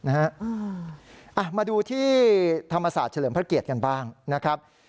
มาดูที่ธรรมศาสตร์เฉลิมพระเกียรติกันบ้างนะครับ